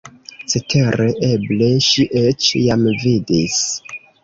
Cetere, eble ŝi eĉ jam vidis!